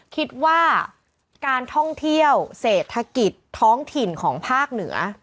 คิดว่าการท่องเที่ยวเศรษฐกิจท้องถิ่นของภาคเหนือ